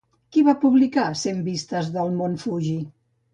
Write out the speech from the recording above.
Qui va publicar Cent Vistes del Mont Fuji?